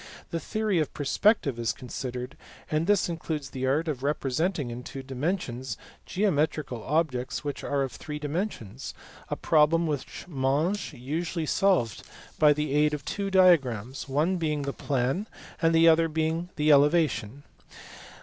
The theory of per spective is considered ; this includes the art of representing in two dimensions geometrical objects which are of three dimen sions, a problem which Monge usually solved by the aid of two diagrams, one being the plan and the other the elevation.